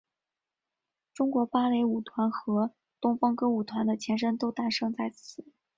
中央芭蕾舞团和东方歌舞团的前身都诞生在此。